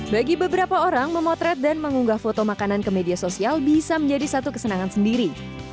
bagi beberapa orang memotret dan mengunggah foto makanan ke media sosial bisa menjadi satu kesenangan sendiri